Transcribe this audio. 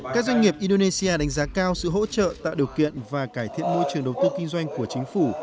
các doanh nghiệp indonesia đánh giá cao sự hỗ trợ tạo điều kiện và cải thiện môi trường đầu tư kinh doanh của chính phủ